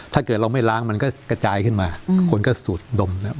ถ้าเกิดเราไม่ล้างมันก็กระจายขึ้นมาคนก็สูดดมนะครับ